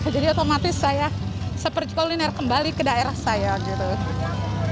jadi otomatis saya seperti kuliner kembali ke daerah saya gitu